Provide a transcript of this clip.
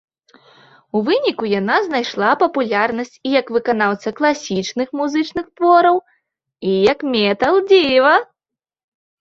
У выніку яна знайшла папулярнасць і як выканаўца класічных музычных твораў, і як метал-дзіва.